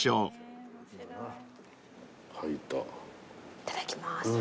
いただきます。